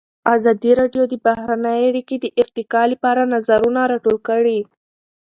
ازادي راډیو د بهرنۍ اړیکې د ارتقا لپاره نظرونه راټول کړي.